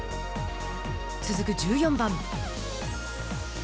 続く１４番。